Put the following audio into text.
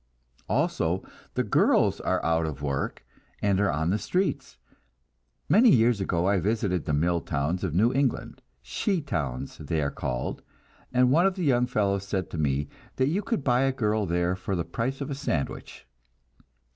Also the girls are out of work, and are on the streets. Many years ago I visited the mill towns of New England, "she towns" they are called, and one of the young fellows said to me that you could buy a girl there for the price of a sandwich.